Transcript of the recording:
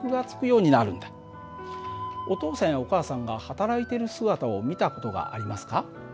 お父さんやお母さんが働いている姿を見た事がありますか？